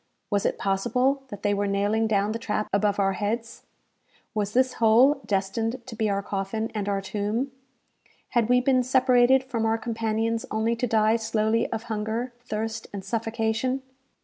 Was it possible that they were nailing down the trap above our heads? Was this hole destined to be our coffin and our tomb? Had we been separated from our companions only to die slowly of hunger, thirst, and suffocation?